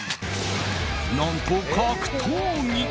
何と、格闘技。